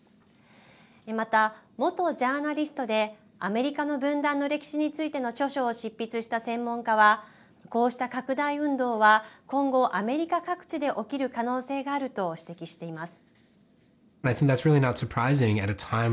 また、元ジャーナリストでアメリカの分断の歴史についての著書を執筆した専門家はこうした拡大運動は今後、アメリカ各地で起きる可能性があると指摘しています。